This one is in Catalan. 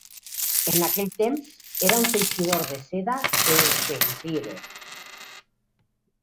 En aquell temps, era un teixidor de seda de Cheshire.